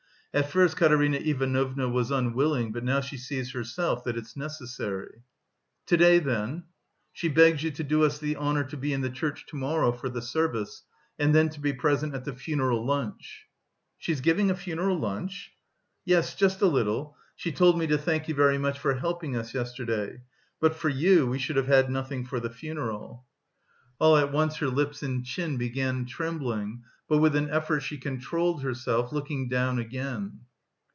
At first Katerina Ivanovna was unwilling, but now she sees herself that it's necessary..." "To day, then?" "She begs you to do us the honour to be in the church to morrow for the service, and then to be present at the funeral lunch." "She is giving a funeral lunch?" "Yes... just a little.... She told me to thank you very much for helping us yesterday. But for you, we should have had nothing for the funeral." All at once her lips and chin began trembling, but, with an effort, she controlled herself, looking down again.